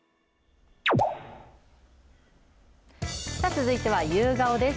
続いては夕顔です。